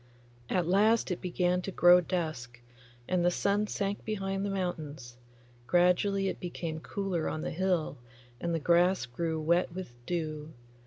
At last it began to grow dusk, and the sun sank behind the mountains; gradually it became cooler on the hill, and the grass grew wet with dew.